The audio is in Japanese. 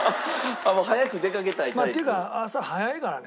もう早く出かけたいタイプ？っていうか朝早いからね。